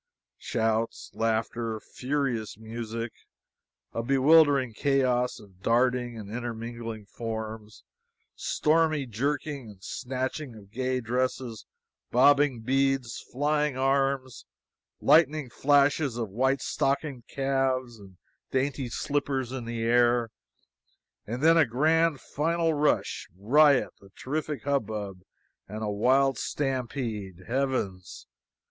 Shouts, laughter, furious music, a bewildering chaos of darting and intermingling forms, stormy jerking and snatching of gay dresses, bobbing beads, flying arms, lightning flashes of white stockinged calves and dainty slippers in the air, and then a grand final rush, riot, a terrific hubbub, and a wild stampede! Heavens!